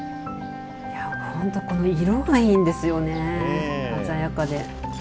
本当、この色がいいんですよね、鮮やかで。